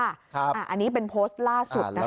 อันนี้เป็นโพสต์ล่าสุดนะคะ